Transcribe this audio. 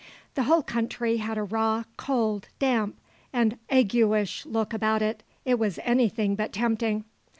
The whole country had a raw, cold, damp, and agueish look about it. It was any thing but tempting.